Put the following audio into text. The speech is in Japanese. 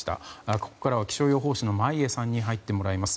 ここからは気象予報士の眞家さんに入ってもらいます。